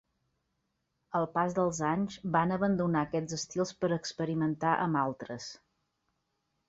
Al pas dels anys van abandonar aquests estils per experimentar amb altres.